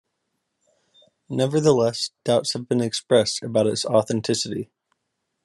Nevertheless, doubts have been expressed about its authenticity.